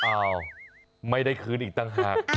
อ้าวไม่ได้คืนอีกต่างหาก